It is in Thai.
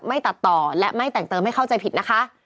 ตัดต่อและไม่แต่งเติมให้เข้าใจผิดนะคะ